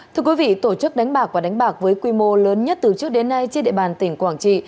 thưa quý vị tổ chức đánh bạc và đánh bạc với quy mô lớn nhất từ trước đến nay trên địa bàn tỉnh quảng trị